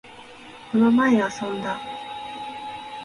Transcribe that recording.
この前、遊んだ